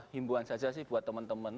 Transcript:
himbuan saja sih buat teman teman